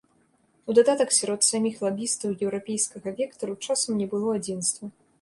У дадатак сярод саміх лабістаў еўрапейскага вектару часам не было адзінства.